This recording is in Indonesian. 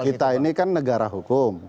kita ini kan negara hukum